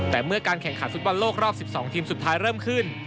แต่เมื่อการแข่งขันฟุตบอลโลกรอบ๑๒ทีมสุดท้ายเริ่มขึ้น